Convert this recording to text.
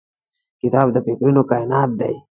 کتاب د فکرونو کائنات دی.